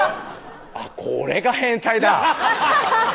あっこれが変態だ